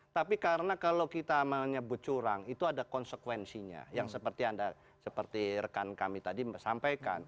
tapi karena kalau kita menyebut curang itu ada konsekuensinya yang seperti anda seperti rekan kami tadi sampai sekarang